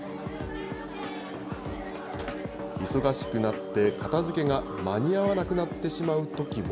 忙しくなって、片づけが間に合わなくなってしまうときも。